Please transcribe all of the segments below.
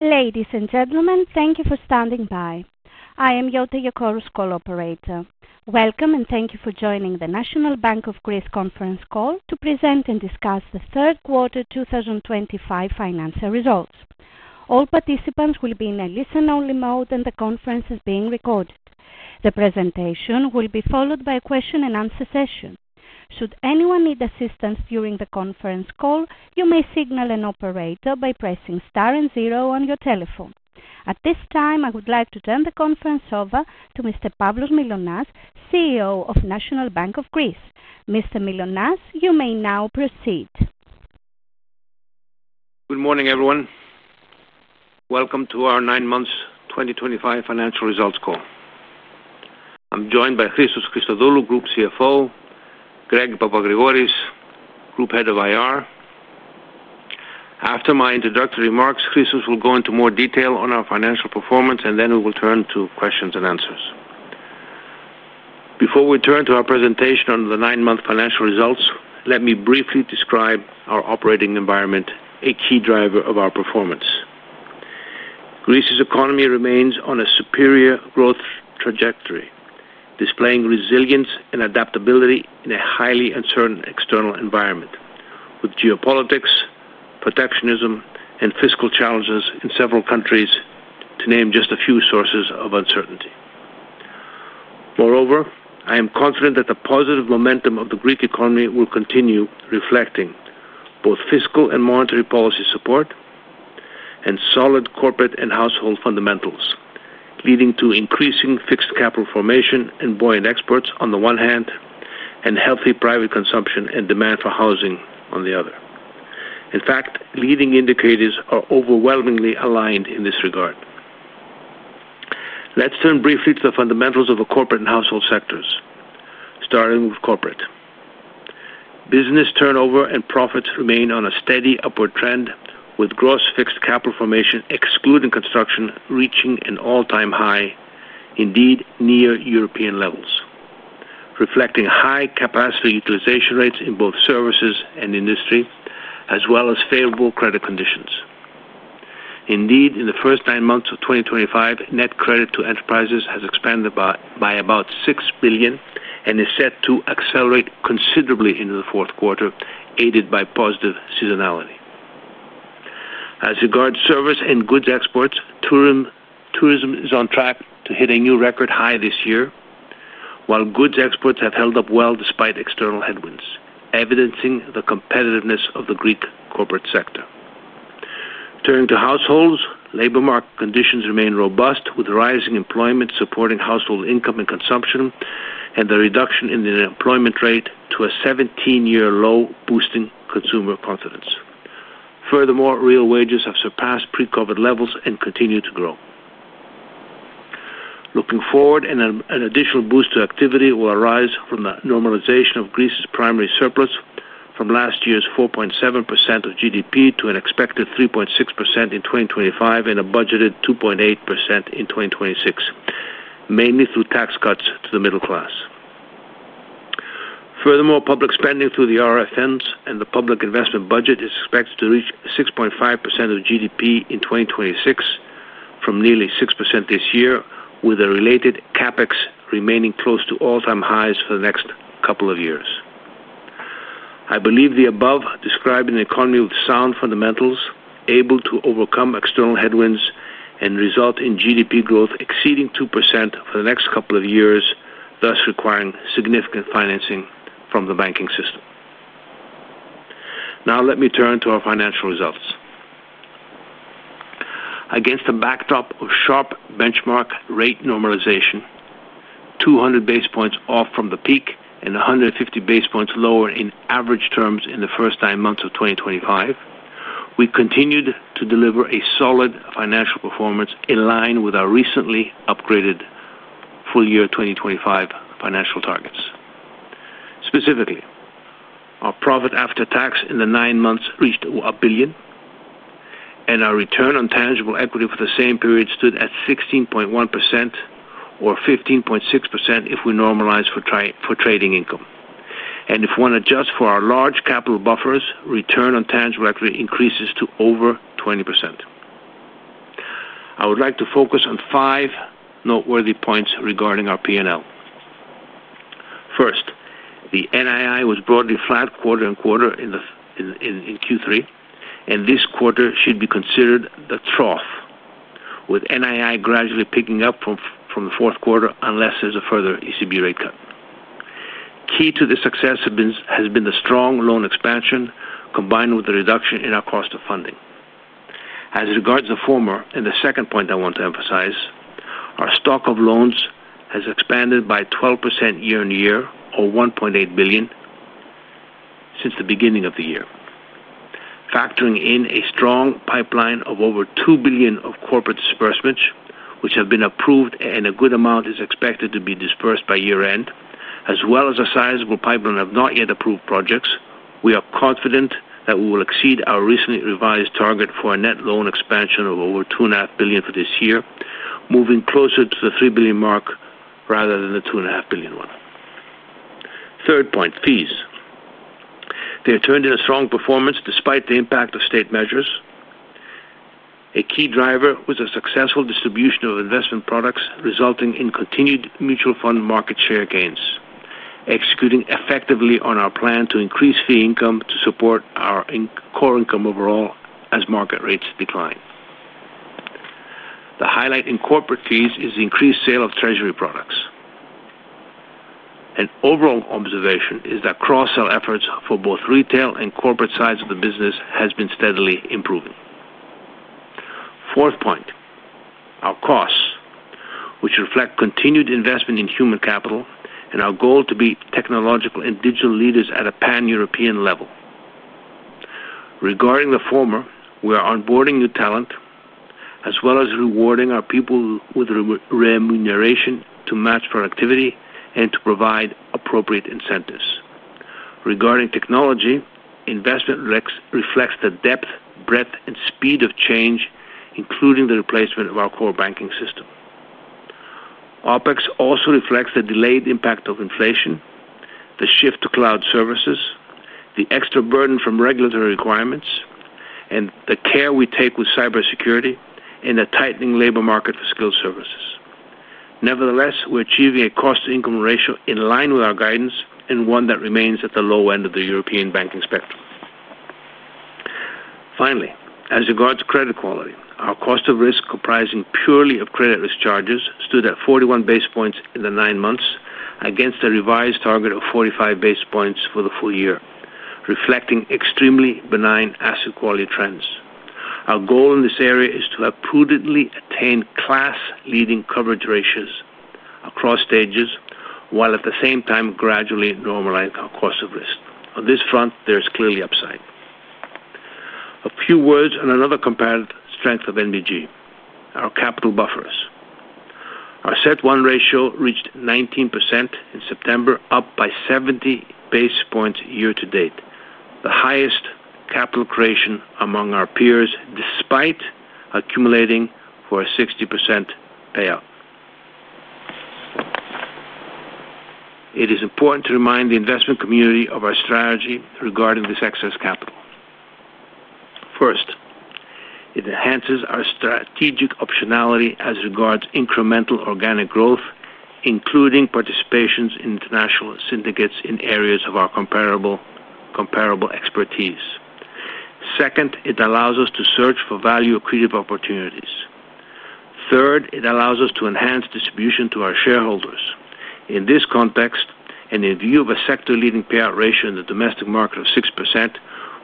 Ladies and gentlemen, thank you for standing by. I am Jota, your Chorus Call operator. Welcome, and thank you for joining the National Bank of Greece Conference Call to Present and Discuss the Third Quarter 2025 Financial Results. All participants will be in a listen-only mode, and the conference is being recorded. The presentation will be followed by a question-and-answer session. Should anyone need assistance during the conference call, you may signal an operator by pressing star and zero on your telephone. At this time, I would like to turn the conference over to Mr. Pavlos Mylonas, CEO of National Bank of Greece. Mr. Mylonas, you may now proceed. Good morning, everyone. Welcome to our nine months 2025 financial results call. I'm joined by Christos Christodoulou, Group CFO, and Greg Papagrigoris, Group Head of IR. After my introductory remarks, Christos will go into more detail on our financial performance, and then we will turn to questions and answers. Before we turn to our presentation on the nine-month financial results, let me briefly describe our operating environment, a key driver of our performance. Greece's economy remains on a superior growth trajectory, displaying resilience and adaptability in a highly uncertain external environment, with geopolitics, protectionism, and fiscal challenges in several countries, to name just a few sources of uncertainty. Moreover, I am confident that the positive momentum of the Greek economy will continue, reflecting both fiscal and monetary policy support. Solid corporate and household fundamentals, leading to increasing fixed capital formation and buoyant exports on the one hand, and healthy private consumption and demand for housing on the other. In fact, leading indicators are overwhelmingly aligned in this regard. Let's turn briefly to the fundamentals of the corporate and household sectors, starting with corporate. Business turnover and profits remain on a steady upward trend, with gross fixed capital formation, excluding construction, reaching an all-time high, indeed near European levels, reflecting high capacity utilization rates in both services and industry, as well as favorable credit conditions. Indeed, in the first nine months of 2025, net credit to enterprises has expanded by about 6 billion and is set to accelerate considerably into the fourth quarter, aided by positive seasonality. As regards service and goods exports, tourism is on track to hit a new record high this year, while goods exports have held up well despite external headwinds, evidencing the competitiveness of the Greek corporate sector. Turning to households, labor market conditions remain robust, with rising employment supporting household income and consumption and the reduction in the unemployment rate to a 17-year low, boosting consumer confidence. Furthermore, real wages have surpassed pre-COVID levels and continue to grow. Looking forward, an additional boost to activity will arise from the normalization of Greece's primary surplus from last year's 4.7% of GDP to an expected 3.6% in 2025 and a budgeted 2.8% in 2026. Mainly through tax cuts to the middle class. Furthermore, public spending through the RFNs and the public investment budget is expected to reach 6.5% of GDP in 2026, from nearly 6% this year, with the related CapEx remaining close to all-time highs for the next couple of years. I believe the above describes an economy with sound fundamentals, able to overcome external headwinds and result in GDP growth exceeding 2% for the next couple of years, thus requiring significant financing from the banking system. Now, let me turn to our financial results. Against the backdrop of sharp benchmark rate normalization. 200 basis points off from the peak and 150 basis points lower in average terms in the first nine months of 2025. We continued to deliver a solid financial performance in line with our recently upgraded full-year 2025 financial targets. Specifically, our profit after tax in the nine months reached 1 billion. Our return on tangible equity for the same period stood at 16.1%, or 15.6% if we normalize for trading income. If one adjusts for our large capital buffers, return on tangible equity increases to over 20%. I would like to focus on five noteworthy points regarding our P&L. First, the NII was broadly flat quarter on quarter in Q3, and this quarter should be considered the trough, with NII gradually picking up from the fourth quarter unless there is a further ECB rate cut. Key to the success has been the strong loan expansion, combined with the reduction in our cost of funding. As regards the former, and the second point I want to emphasize, our stock of loans has expanded by 12% year on year, or 1.8 billion since the beginning of the year. Factoring in a strong pipeline of over 2 billion of corporate disbursements, which have been approved and a good amount is expected to be disbursed by year-end, as well as a sizable pipeline of not-yet-approved projects, we are confident that we will exceed our recently revised target for a net loan expansion of over 2.5 billion for this year, moving closer to the 3 billion mark rather than the 2.5 billion one. Third point, fees. They have turned in a strong performance despite the impact of state measures. A key driver was a successful distribution of investment products, resulting in continued mutual fund market share gains, executing effectively on our plan to increase fee income to support our core income overall as market rates decline. The highlight in corporate fees is the increased sale of treasury products. An overall observation is that cross-sell efforts for both retail and corporate sides of the business have been steadily improving. Fourth point. Our costs, which reflect continued investment in human capital and our goal to be technological and digital leaders at a pan-European level. Regarding the former, we are onboarding new talent, as well as rewarding our people with remuneration to match productivity and to provide appropriate incentives. Regarding technology, investment reflects the depth, breadth, and speed of change, including the replacement of our core banking system. OpEx also reflects the delayed impact of inflation, the shift to cloud services, the extra burden from regulatory requirements, and the care we take with cybersecurity and the tightening labor market for skilled services. Nevertheless, we're achieving a cost-to-income ratio in line with our guidance and one that remains at the low end of the European banking spectrum. Finally, as regards credit quality, our cost of risk, comprising purely of credit risk charges, stood at 41 basis points in the nine months, against a revised target of 45 basis points for the full year, reflecting extremely benign asset quality trends. Our goal in this area is to have prudently attained class-leading coverage ratios across stages, while at the same time gradually normalizing our cost of risk. On this front, there is clearly upside. A few words on another comparative strength of NBG, our capital buffers. Our CET1 ratio reached 19% in September, up by 70 basis points year to date, the highest capital creation among our peers, despite accumulating for a 60% payout. It is important to remind the investment community of our strategy regarding this excess capital. First. It enhances our strategic optionality as regards incremental organic growth, including participations in international syndicates in areas of our comparable expertise. Second, it allows us to search for value-accretive opportunities. Third, it allows us to enhance distribution to our shareholders. In this context, and in view of a sector-leading payout ratio in the domestic market of 6%,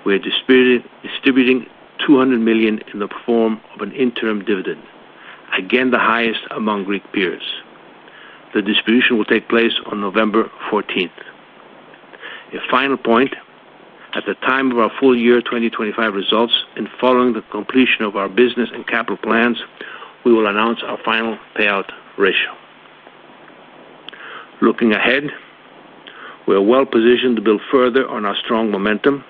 we are distributing 200 million in the form of an interim dividend, again the highest among Greek peers. The distribution will take place on November 14th. A final point. At the time of our full year 2025 results and following the completion of our business and capital plans, we will announce our final payout ratio. Looking ahead, we are well positioned to build further on our strong momentum.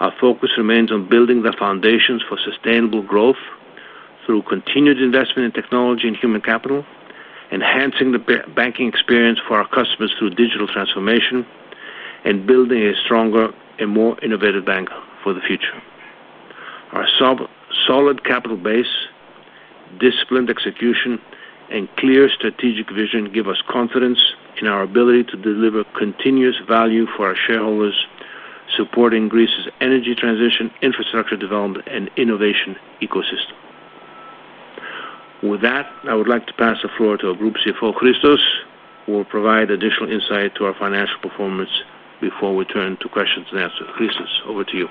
Our focus remains on building the foundations for sustainable growth through continued investment in technology and human capital, enhancing the banking experience for our customers through digital transformation, and building a stronger and more innovative bank for the future. Our solid capital base, disciplined execution, and clear strategic vision give us confidence in our ability to deliver continuous value for our shareholders, supporting Greece's energy transition, infrastructure development, and innovation ecosystem. With that, I would like to pass the floor to our Group CFO, Christos, who will provide additional insight to our financial performance before we turn to questions and answers. Christos, over to you.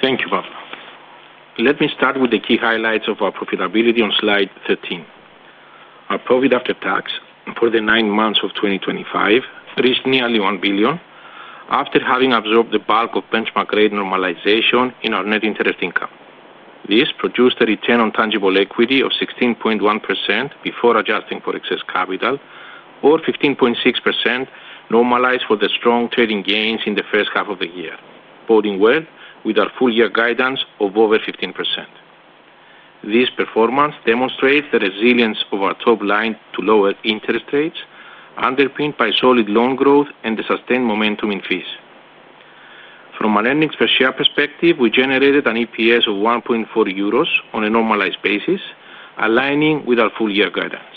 Thank you, Bob. Let me start with the key highlights of our profitability on slide 13. Our profit after tax for the nine months of 2025 reached nearly 1 billion after having absorbed the bulk of benchmark rate normalization in our net interest income. This produced a return on tangible equity of 16.1% before adjusting for excess capital, or 15.6% normalized for the strong trading gains in the first half of the year, boding well with our full-year guidance of over 15%. This performance demonstrates the resilience of our top line to lower interest rates, underpinned by solid loan growth and the sustained momentum in fees. From a lending per share perspective, we generated an EPS of 1.4 euros on a normalized basis, aligning with our full-year guidance.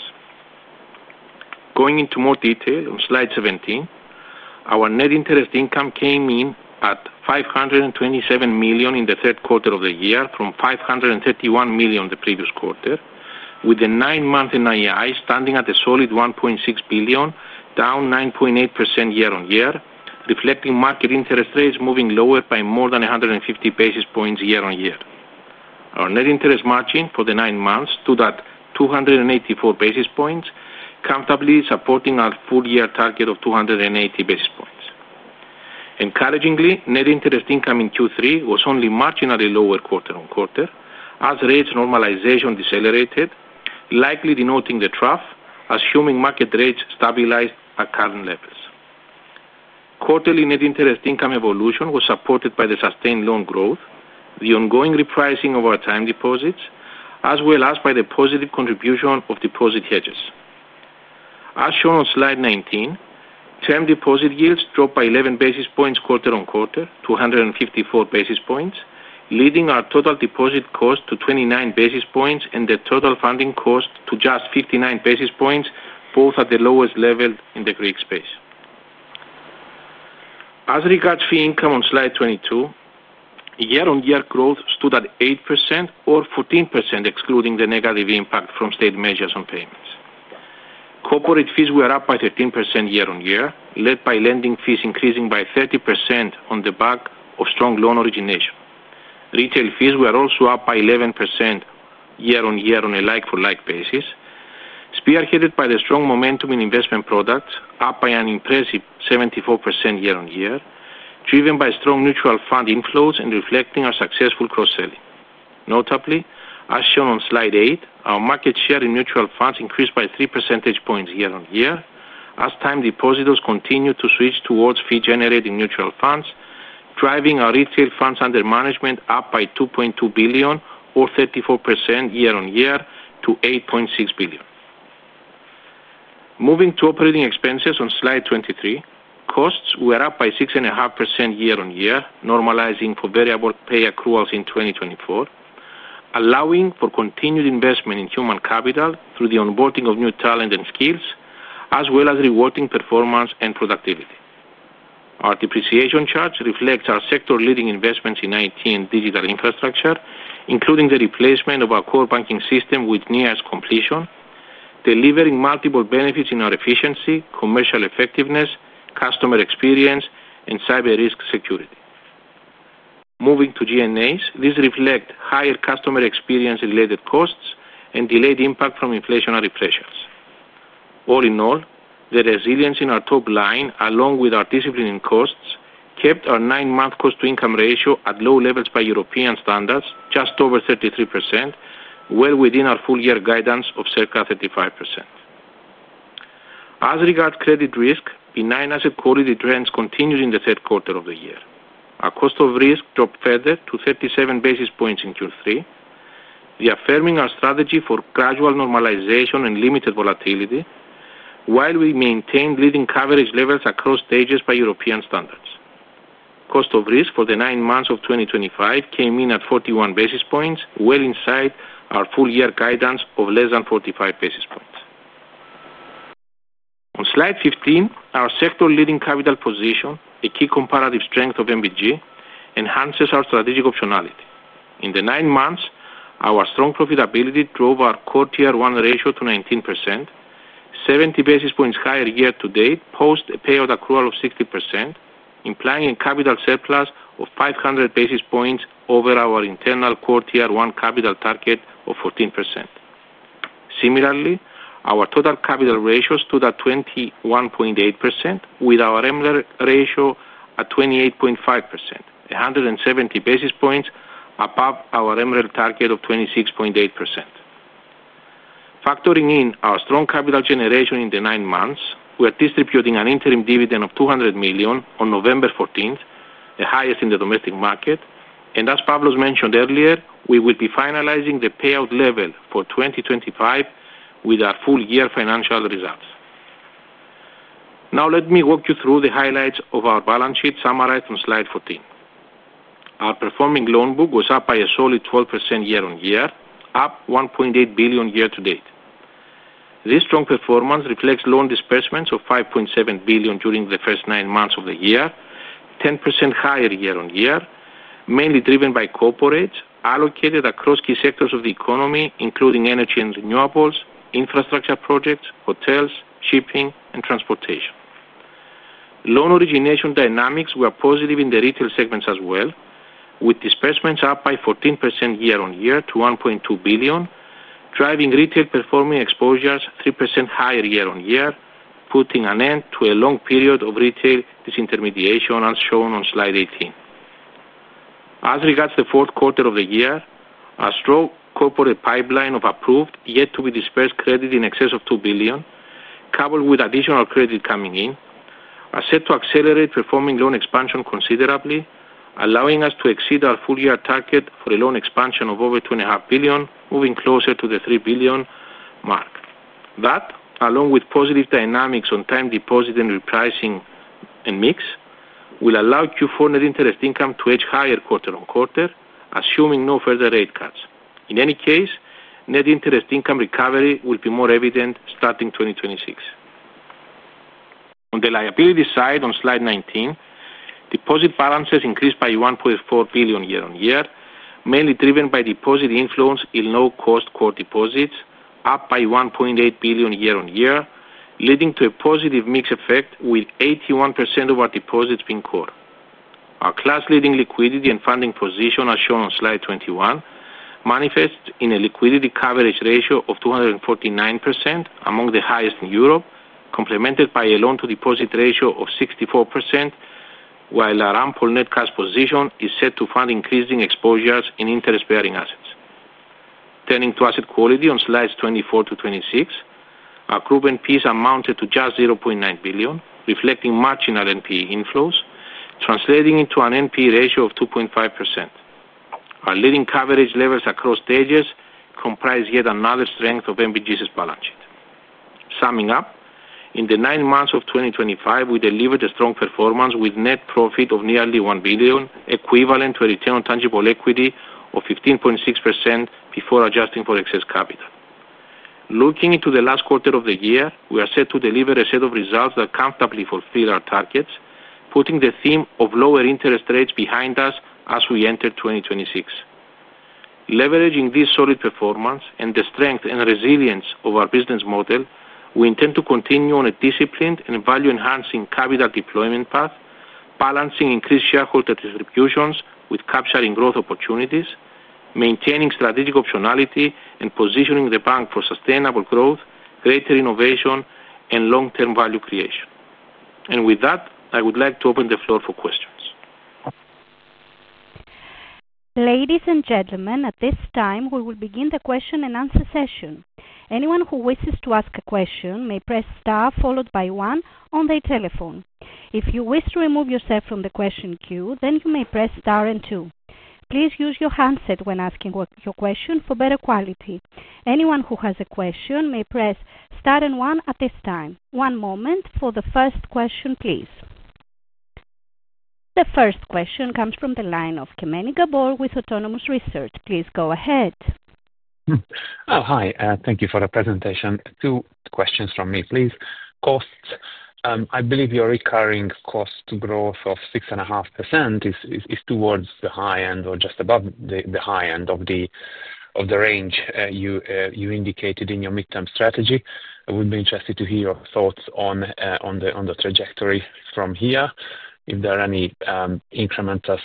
Going into more detail, on slide 17, our net interest income came in at 527 million in the third quarter of the year, from 531 million the previous quarter, with the nine-month NII standing at a solid 1.6 billion, down 9.8% year on year, reflecting market interest rates moving lower by more than 150 basis points year on year. Our net interest margin for the nine months stood at 284 basis points, comfortably supporting our full-year target of 280 basis points. Encouragingly, net interest income in Q3 was only marginally lower quarter on quarter, as rates normalization decelerated, likely denoting the trough, assuming market rates stabilized at current levels. Quarterly net interest income evolution was supported by the sustained loan growth, the ongoing repricing of our time deposits, as well as by the positive contribution of deposit hedges. As shown on slide 19, term deposit yields dropped by 11 basis points quarter on quarter to 154 basis points, leading our total deposit cost to 29 basis points and the total funding cost to just 59 basis points, both at the lowest level in the Greek space. As regards fee income on slide 22. Year-on-year growth stood at 8%, or 14% excluding the negative impact from state measures on payments. Corporate fees were up by 13% year-on-year, led by lending fees increasing by 30% on the back of strong loan origination. Retail fees were also up by 11% year-on-year on a like-for-like basis, spearheaded by the strong momentum in investment products, up by an impressive 74% year-on-year, driven by strong mutual fund inflows and reflecting our successful cross-selling. Notably, as shown on slide 8, our market share in mutual funds increased by 3 percentage points year-on-year as time depositors continued to switch towards fee-generating mutual funds, driving our retail funds under management up by 2.2 billion, or 34% year-on-year, to 8.6 billion. Moving to operating expenses on slide 23, costs were up by 6.5% year-on-year, normalizing for variable pay accruals in 2024. Allowing for continued investment in human capital through the onboarding of new talent and skills, as well as rewarding performance and productivity. Our depreciation charge reflects our sector-leading investments in IT and digital infrastructure, including the replacement of our core banking system with nearest completion, delivering multiple benefits in our efficiency, commercial effectiveness, customer experience, and cyber risk security. Moving to G&As, these reflect higher customer experience-related costs and delayed impact from inflationary pressures. All in all, the resilience in our top line, along with our discipline in costs, kept our nine-month cost-to-income ratio at low levels by European standards, just over 33%. Well within our full-year guidance of circa 35%. As regards credit risk, benign asset quality trends continued in the third quarter of the year. Our cost of risk dropped further to 37 basis points in Q3. Reaffirming our strategy for gradual normalization and limited volatility, while we maintained leading coverage levels across stages by European standards. Cost of risk for the nine months of 2025 came in at 41 basis points, well inside our full-year guidance of less than 45 basis points. On slide 15, our sector-leading capital position, a key comparative strength of NBG, enhances our strategic optionality. In the nine months, our strong profitability drove our Co Tier I ratio to 19%. 70 basis points higher year-to-date post a payout accrual of 60%, implying a capital surplus of 500 basis points over our internal Co Tier I capital target of 14%. Similarly, our total capital ratio stood at 21.8%, with our MREL ratio at 28.5%, 170 basis points above our MREL target of 26.8%. Factoring in our strong capital generation in the nine months, we are distributing an interim dividend of 200 million on November 14th, the highest in the domestic market. As Pavlos mentioned earlier, we will be finalizing the payout level for 2025 with our full-year financial results. Now, let me walk you through the highlights of our balance sheet summarized on slide 14. Our performing loan book was up by a solid 12% year-on-year, up 1.8 billion year-to-date. This strong performance reflects loan disbursements of 5.7 billion during the first nine months of the year, 10% higher year-on-year, mainly driven by corporates allocated across key sectors of the economy, including energy and renewables, infrastructure projects, hotels, shipping, and transportation. Loan origination dynamics were positive in the retail segments as well, with disbursements up by 14% year-on-year to 1.2 billion, driving retail performing exposures 3% higher year-on-year, putting an end to a long period of retail disintermediation, as shown on slide 18. As regards the fourth quarter of the year, our strong corporate pipeline of approved yet-to-be-dispersed credit in excess of 2 billion, coupled with additional credit coming in, are set to accelerate performing loan expansion considerably, allowing us to exceed our full-year target for a loan expansion of over 2.5 billion, moving closer to the 3 billion mark. That, along with positive dynamics on time deposit and repricing and mix, will allow Q4 net interest income to edge higher quarter on quarter, assuming no further rate cuts. In any case, net interest income recovery will be more evident starting 2026. On the liability side, on slide 19, deposit balances increased by 1.4 billion year-on-year, mainly driven by deposit inflows in low-cost core deposits, up by 1.8 billion year-on-year, leading to a positive mix effect with 81% of our deposits being core. Our class-leading liquidity and funding position, as shown on slide 21, manifests in a liquidity coverage ratio of 249%, among the highest in Europe, complemented by a loan-to-deposit ratio of 64%. While our ARM Polnet CAS position is set to fund increasing exposures in interest-bearing assets. Turning to asset quality on slides 24 to 26. Our group NPEs amounted to just 0.9 billion, reflecting marginal NPE inflows, translating into an NPE ratio of 2.5%. Our leading coverage levels across stages comprise yet another strength of NBG's balance sheet. Summing up, in the nine months of 2025, we delivered a strong performance with net profit of nearly 1 billion, equivalent to a return on tangible equity of 15.6% before adjusting for excess capital. Looking into the last quarter of the year, we are set to deliver a set of results that comfortably fulfill our targets, putting the theme of lower interest rates behind us as we enter 2026. Leveraging this solid performance and the strength and resilience of our business model, we intend to continue on a disciplined and value-enhancing capital deployment path, balancing increased shareholder distributions with capturing growth opportunities, maintaining strategic optionality, and positioning the bank for sustainable growth, greater innovation, and long-term value creation. I would like to open the floor for questions. Ladies and gentlemen, at this time, we will begin the question-and-answer session. Anyone who wishes to ask a question may press star followed by one on their telephone. If you wish to remove yourself from the question queue, then you may press star and two. Please use your handset when asking your question for better quality. Anyone who has a question may press star and one at this time. One moment for the first question, please. The first question comes from the line of Kemeny Gabor with Autonomous Research. Please go ahead. Oh, hi. Thank you for the presentation. Two questions from me, please. Costs, I believe your recurring cost to growth of 6.5% is towards the high end or just above the high end of the range you indicated in your midterm strategy. I would be interested to hear your thoughts on the trajectory from here, if there's any incremental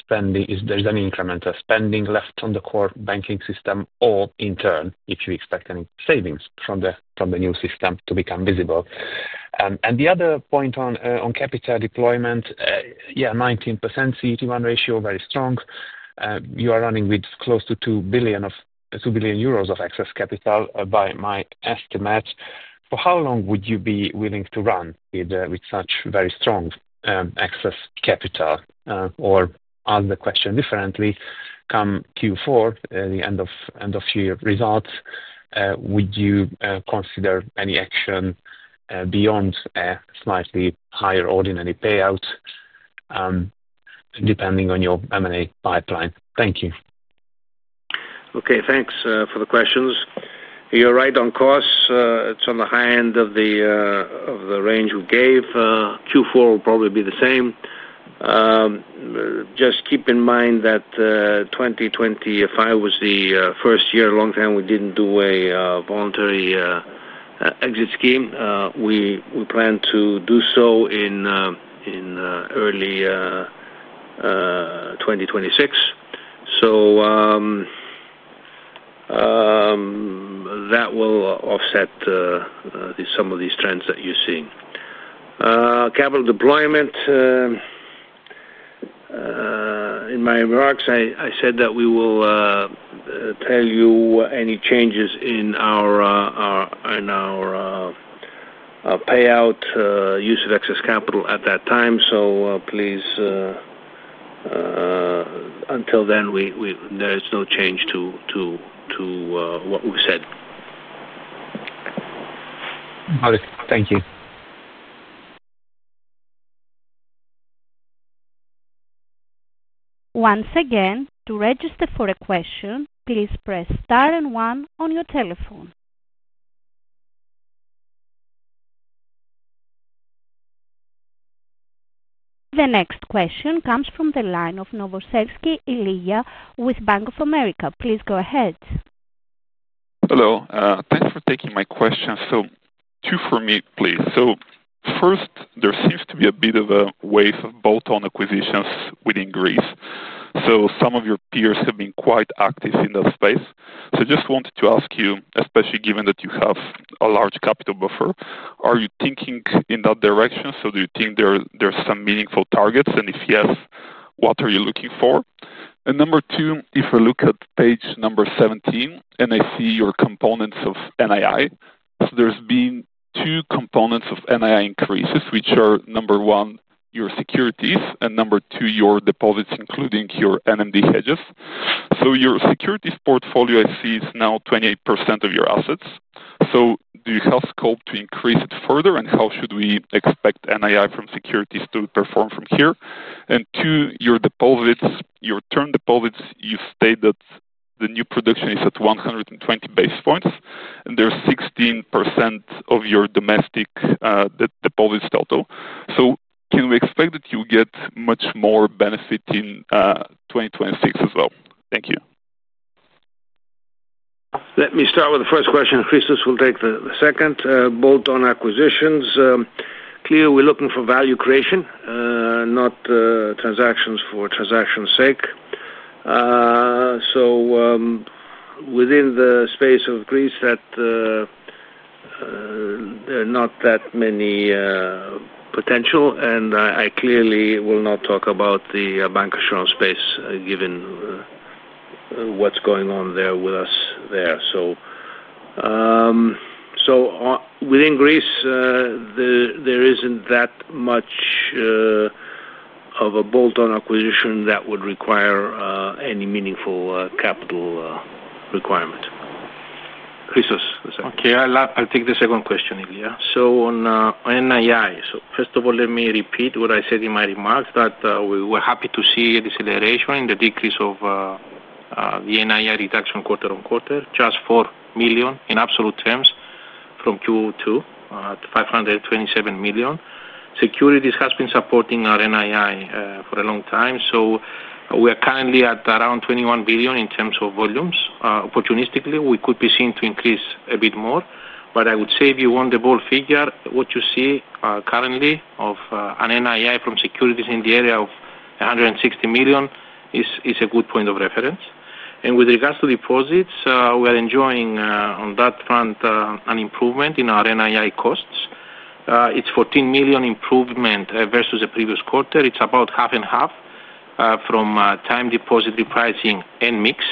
spending left on the core banking system, or in turn, if you expect any savings from the new system to become visible. The other point on capital deployment, yeah, 19% CET1 ratio, very strong. You are running with close to 2 billion euros of excess capital, by my estimate. For how long would you be willing to run with such very strong excess capital? Or ask the question differently, come Q4, the end-of-year results, would you consider any action beyond a slightly higher ordinary payout, depending on your M&A pipeline? Thank you. Okay, thanks for the questions. You're right on cost. It's on the high end of the range we gave. Q4 will probably be the same. Just keep in mind that 2025 was the first year in a long time we didn't do a voluntary exit scheme. We plan to do so in early 2026. That will offset some of these trends that you're seeing. Capital deployment, in my remarks, I said that we will tell you any changes in our payout, use of excess capital at that time. Please, until then, there is no change to what we've said. Thank you. Once again, to register for a question, please press star and one on your telephone. The next question comes from the line of Novosselsky Ilija with Bank of America. Please go ahead. Hello. Thanks for taking my question. Two for me, please. First, there seems to be a bit of a wave of bolt-on acquisitions within Greece. Some of your peers have been quite active in that space. I just wanted to ask you, especially given that you have a large capital buffer, are you thinking in that direction? Do you think there are some meaningful targets? If yes, what are you looking for? Number two, if I look at page number 17, and I see your components of NII, there have been two components of NII increases, which are, number one, your securities, and number two, your deposits, including your NMD hedges. Your securities portfolio, I see, is now 28% of your assets. Do you have scope to increase it further, and how should we expect NII from securities to perform from here? Two, your term deposits, you state that the new production is at 120 basis points, and there is 16% of your domestic deposits total. Can we expect that you get much more benefit in 2026 as well? Thank you. Let me start with the first question. Christos will take the second. Bolt-on acquisitions. Clearly, we're looking for value creation, not transactions for transaction's sake. Within the space of Greece, there are not that many. Potential, and I clearly will not talk about the bank assurance space, given what's going on there with us there. Within Greece, there isn't that much of a bolt-on acquisition that would require any meaningful capital requirement. Christos, let's start. Okay. I'll take the second question, Ilija. On NII, first of all, let me repeat what I said in my remarks, that we were happy to see a deceleration in the decrease of the NII reduction quarter on quarter, just 4 million in absolute terms from Q2 to 527 million. Securities has been supporting our NII for a long time, so we are currently at around 21 billion in terms of volumes. Opportunistically, we could be seen to increase a bit more, but I would say, if you want the ball figure, what you see currently of an NII from securities in the area of 160 million is a good point of reference. With regards to deposits, we are enjoying, on that front, an improvement in our NII costs. It is 14 million improvement versus the previous quarter. It is about half and half from time deposit repricing and mix.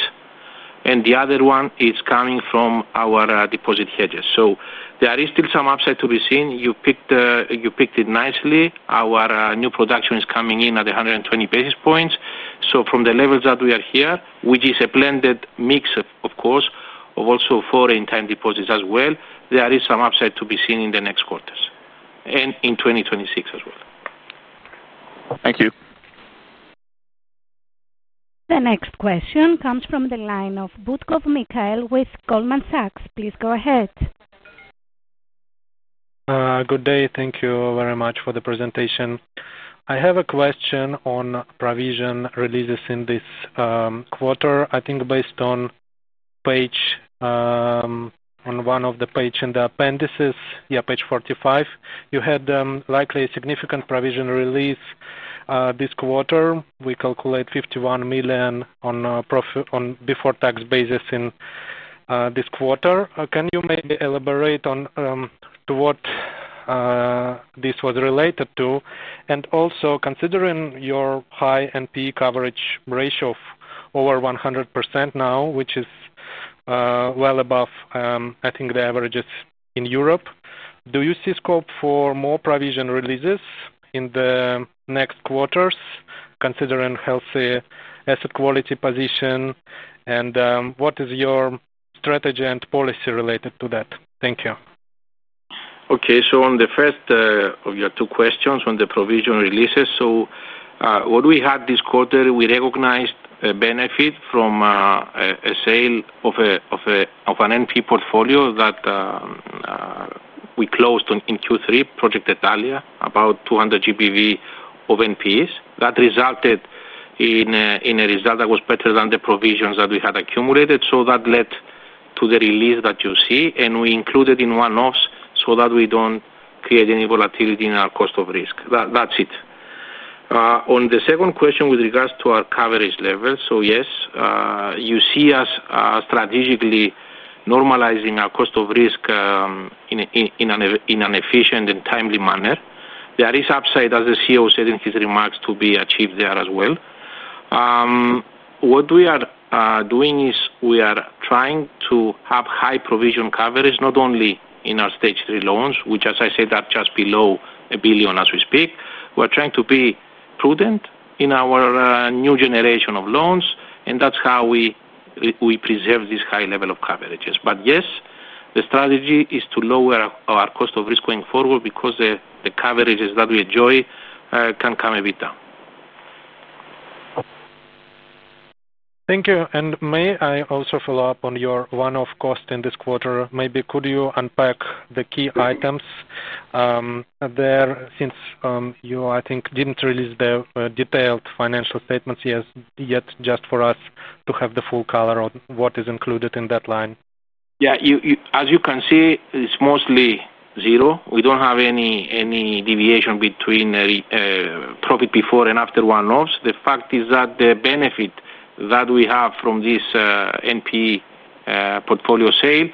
The other one is coming from our deposit hedges. There is still some upside to be seen. You picked it nicely. Our new production is coming in at 120 basis points. From the levels that we are here, which is a blended mix, of course, of also foreign time deposits as well, there is some upside to be seen in the next quarters and in 2026 as well. Thank you. The next question comes from the line of Butkov Mikhail with Goldman Sachs. Please go ahead. Good day. Thank you very much for the presentation. I have a question on provision releases in this quarter. I think based on page, on one of the pages in the appendices, yeah, page 45, you had likely a significant provision release. This quarter, we calculate 51 million before-tax basis in this quarter. Can you maybe elaborate on to what this was related to? Also, considering your high NPE coverage ratio of over 100% now, which is well above, I think, the averages in Europe, do you see scope for more provision releases in the next quarters, considering healthy asset quality position? What is your strategy and policy related to that? Thank you. Okay. On the first of your two questions on the provision releases, what we had this quarter, we recognized a benefit from a sale of an NPE portfolio that we closed in Q3, Project Italia, about 200 million GBV of NPEs. That resulted in a result that was better than the provisions that we had accumulated. That led to the release that you see. We included it in one-offs so that we do not create any volatility in our cost of risk. That is it. On the second question with regards to our coverage level, yes, you see us strategically normalizing our cost of risk in an efficient and timely manner. There is upside, as the CEO said in his remarks, to be achieved there as well. What we are doing is we are trying to have high provision coverage, not only in our stage three loans, which, as I said, are just below 1 billion as we speak. We're trying to be prudent in our new generation of loans, and that's how we preserve this high level of coverages. Yes, the strategy is to lower our cost of risk going forward because the coverages that we enjoy can come a bit down. Thank you. May I also follow up on your one-off cost in this quarter? Maybe could you unpack the key items there since you, I think, did not release the detailed financial statements yet, just for us to have the full color on what is included in that line? Yeah. As you can see, it's mostly zero. We don't have any deviation between profit before and after one-offs. The fact is that the benefit that we have from this NPE portfolio sale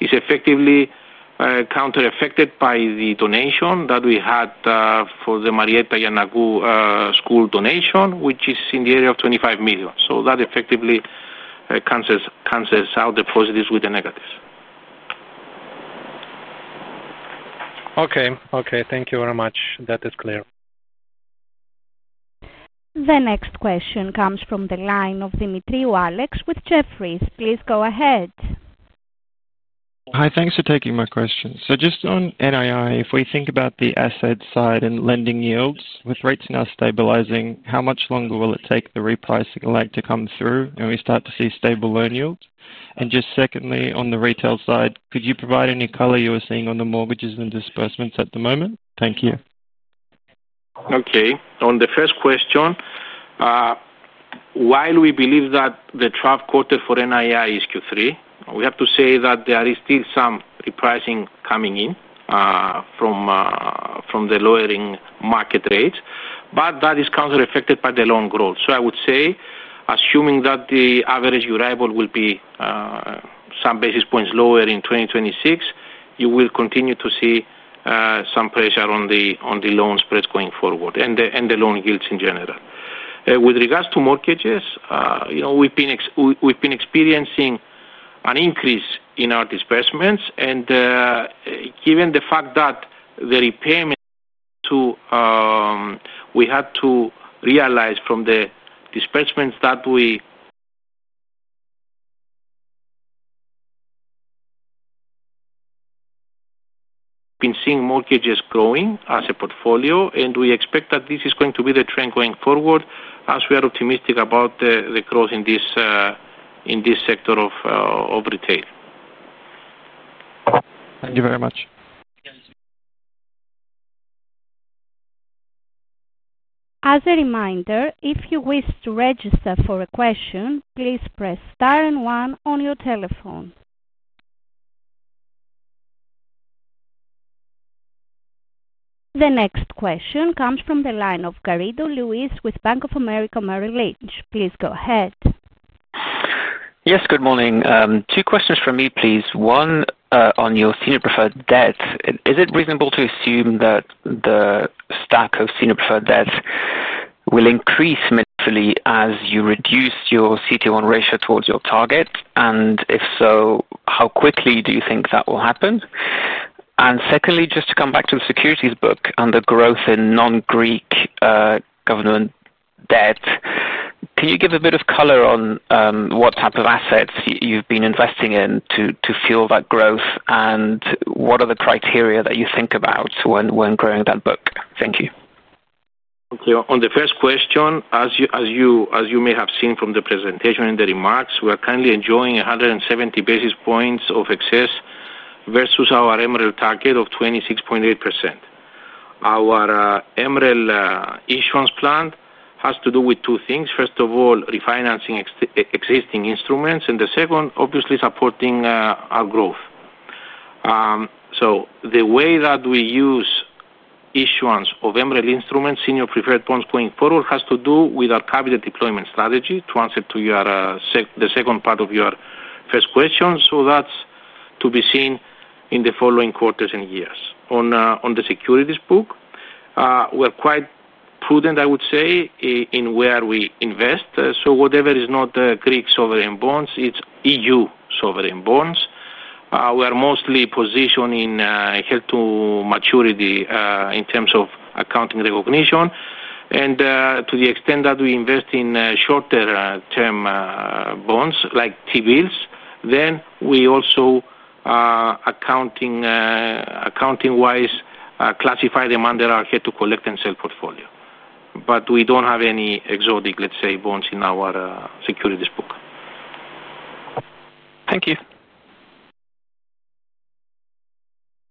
is effectively counter-effected by the donation that we had for the Marietta Giannakou School donation, which is in the area of 25 million. That effectively cancels out the positives with the negatives. Okay. Okay. Thank you very much. That is clear. The next question comes from the line of Demetriou Alex with Jefferies. Please go ahead. Hi. Thanks for taking my question. Just on NII, if we think about the asset side and lending yields, with rates now stabilizing, how much longer will it take the repricing leg to come through when we start to see stable earnings? Just secondly, on the retail side, could you provide any color you were seeing on the mortgages and disbursements at the moment? Thank you. Okay. On the first question. While we believe that the trough quarter for NII is Q3, we have to say that there is still some repricing coming in from the lowering market rates, but that is counter-effected by the loan growth. I would say, assuming that the average arrival will be some basis points lower in 2026, you will continue to see some pressure on the loan spreads going forward and the loan yields in general. With regards to mortgages, we've been experiencing an increase in our disbursements. Given the fact that the repayment, we had to realize from the disbursements that we have been seeing mortgages growing as a portfolio, and we expect that this is going to be the trend going forward as we are optimistic about the growth in this sector of retail. Thank you very much. As a reminder, if you wish to register for a question, please press star and one on your telephone. The next question comes from the line of Garrido Luis with Bank of America Merrill Lynch. Please go ahead. Yes. Good morning. Two questions from me, please. One on your senior preferred debt. Is it reasonable to assume that the stack of senior preferred debt will increase meaningfully as you reduce your CET1 ratio towards your target? If so, how quickly do you think that will happen? Secondly, just to come back to the securities book and the growth in non-Greek government debt, can you give a bit of color on what type of assets you have been investing in to fuel that growth? What are the criteria that you think about when growing that book? Thank you. Okay. On the first question, as you may have seen from the presentation and the remarks, we are currently enjoying 170 basis points of excess versus our MREL target of 26.8%. Our MREL issuance plan has to do with two things. First of all, refinancing existing instruments, and the second, obviously, supporting our growth. The way that we use issuance of MREL instruments, senior preferred bonds going forward, has to do with our capital deployment strategy, to answer the second part of your first question. That is to be seen in the following quarters and years. On the securities book, we are quite prudent, I would say, in where we invest. Whatever is not Greek sovereign bonds, it is EU sovereign bonds. We are mostly positioned in held-to-maturity in terms of accounting recognition. To the extent that we invest in shorter-term bonds like T-bills, then we also. Accounting-wise, classify them under our head-to-collect and sale portfolio. We do not have any exotic, let's say, bonds in our securities book. Thank you.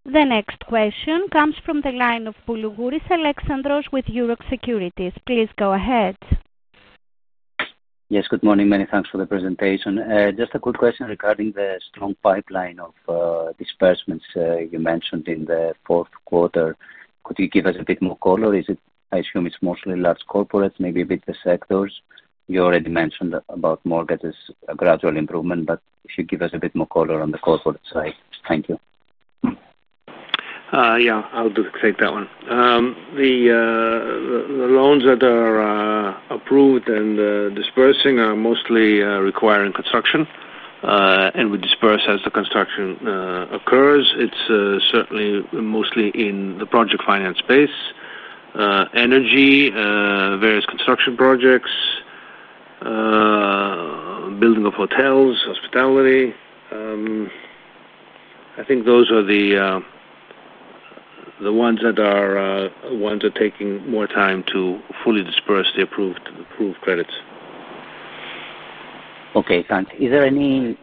The next question comes from the line of Buluguris Alexandros with Europe Securities. Please go ahead. Yes. Good morning. Many thanks for the presentation. Just a quick question regarding the strong pipeline of disbursements you mentioned in the fourth quarter. Could you give us a bit more color? I assume it is mostly large corporates, maybe a bit the sectors. You already mentioned about mortgages, a gradual improvement, but if you give us a bit more color on the corporate side. Thank you. Yeah. I'll take that one. The loans that are approved and disbursing are mostly requiring construction. We disburse as the construction occurs. It's certainly mostly in the project finance space. Energy, various construction projects, building of hotels, hospitality. I think those are the ones that are taking more time to fully disburse the approved credits. Okay. Thanks. Is there any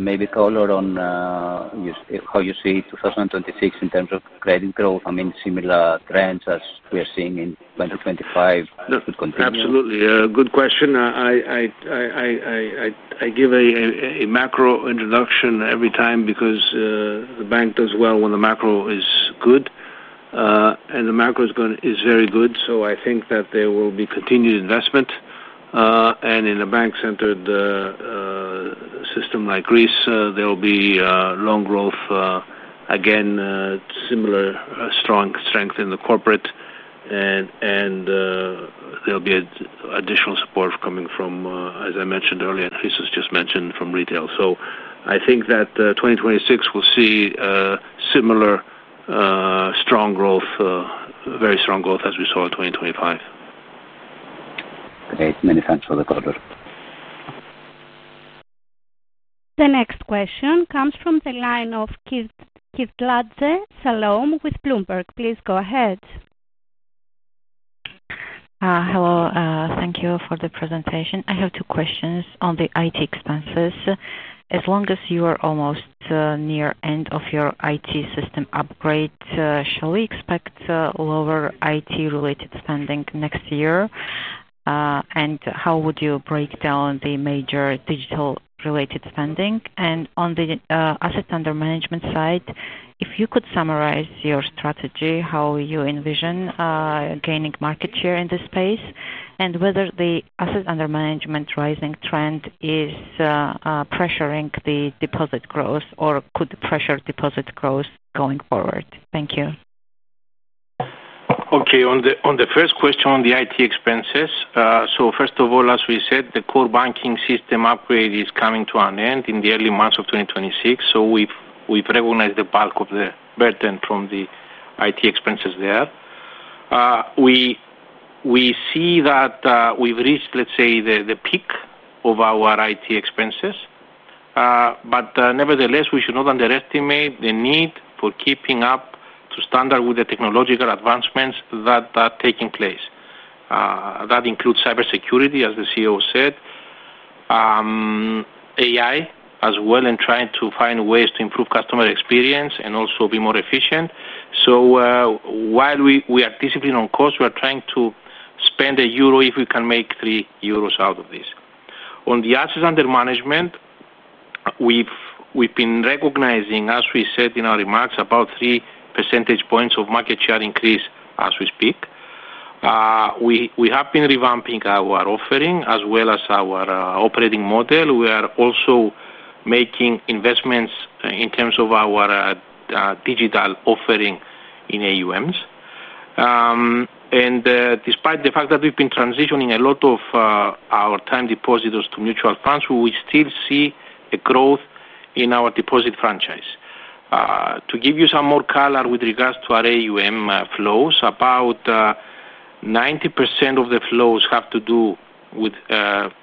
maybe color on how you see 2026 in terms of credit growth? I mean, similar trends as we are seeing in 2025 could continue. Absolutely. Good question. I give a macro introduction every time because the bank does well when the macro is good. The macro is very good. I think that there will be continued investment. In a bank-centered system like Greece, there will be loan growth. Again, similar strong strength in the corporate. There will be additional support coming from, as I mentioned earlier, Christos just mentioned, from retail. I think that 2026 will see similar strong growth, very strong growth as we saw in 2025. Great. Many thanks for the color. The next question comes from the line of Skhirtladze Salome with Bloomberg. Please go ahead. Hello. Thank you for the presentation. I have two questions on the IT expenses. As long as you are almost near the end of your IT system upgrade, shall we expect lower IT-related spending next year? How would you break down the major digital-related spending? On the asset under management side, if you could summarize your strategy, how you envision gaining market share in this space, and whether the asset under management rising trend is pressuring the deposit growth or could pressure deposit growth going forward? Thank you. Okay. On the first question on the IT expenses, so first of all, as we said, the core banking system upgrade is coming to an end in the early months of 2026. We have recognized the bulk of the burden from the IT expenses there. We see that we have reached, let's say, the peak of our IT expenses. Nevertheless, we should not underestimate the need for keeping up to standard with the technological advancements that are taking place. That includes cybersecurity, as the CEO said, AI as well, and trying to find ways to improve customer experience and also be more efficient. While we are disciplined on cost, we are trying to spend a euro if we can make three euros out of this. On the asset under management. We've been recognizing, as we said in our remarks, about 3 percentage points of market share increase as we speak. We have been revamping our offering as well as our operating model. We are also making investments in terms of our digital offering in AUMs. And despite the fact that we've been transitioning a lot of our time depositors to mutual funds, we still see a growth in our deposit franchise. To give you some more color with regards to our AUM flows, about 90% of the flows have to do with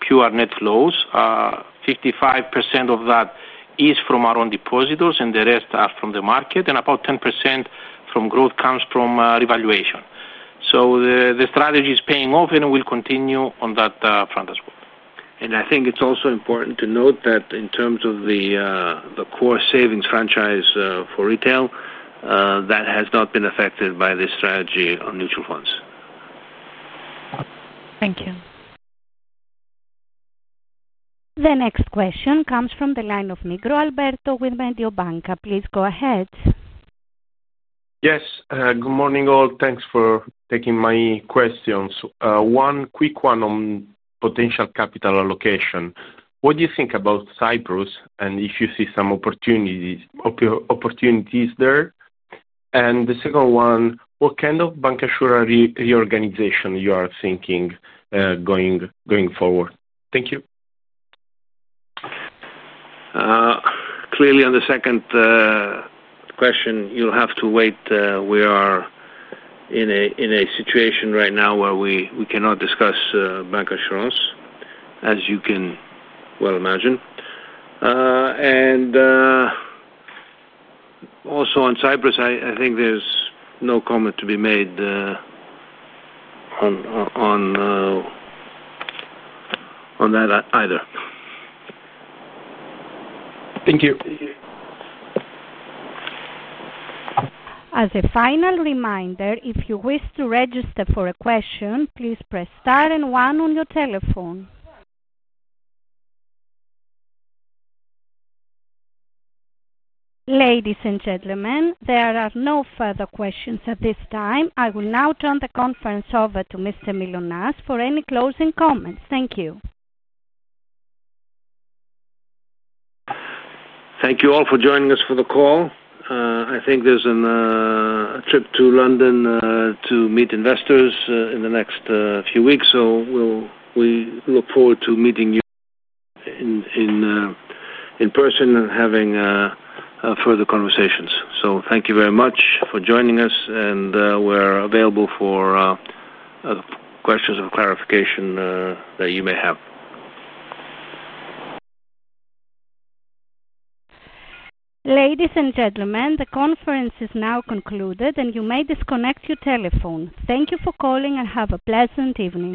pure net flows. 55% of that is from our own depositors, and the rest are from the market. And about 10% from growth comes from revaluation. So the strategy is paying off, and we'll continue on that front as well. I think it's also important to note that in terms of the core savings franchise for retail, that has not been affected by this strategy on mutual funds. Thank you. The next question comes from the line of Migro Alberto with Mediobanca. Please go ahead. Yes. Good morning all. Thanks for taking my questions. One quick one on potential capital allocation. What do you think about Cyprus and if you see some opportunities there? The second one, what kind of bank assurer reorganization are you thinking going forward? Thank you. Clearly, on the second question, you'll have to wait. We are in a situation right now where we cannot discuss bank assurance, as you can well imagine. Also, on Cyprus, I think there's no comment to be made on that either. Thank you. As a final reminder, if you wish to register for a question, please press star and one on your telephone. Ladies and gentlemen, there are no further questions at this time. I will now turn the conference over to Mr. Mylonas for any closing comments. Thank you. Thank you all for joining us for the call. I think there is a trip to London to meet investors in the next few weeks. We look forward to meeting in person and having further conversations. Thank you very much for joining us, and we are available for questions or clarifications that you may have. Ladies and gentlemen, the conference is now concluded, and you may disconnect your telephone. Thank you for calling, and have a pleasant evening.